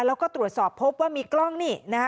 แล้วก็ตรวจสอบพบว่ามีกล้องนี่นะฮะ